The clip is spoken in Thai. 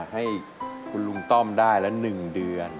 ให้คุณลุงต้อมได้ละ๑เดือน